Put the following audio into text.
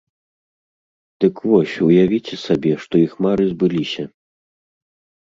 Дык вось, уявіце сабе, што іх мары збыліся.